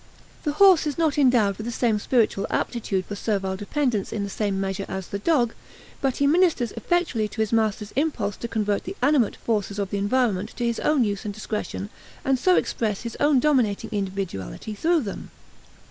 The horse is not endowed with the spiritual aptitude for servile dependence in the same measure as the dog; but he ministers effectually to his master's impulse to convert the "animate" forces of the environment to his own use and discretion and so express his own dominating individuality through them.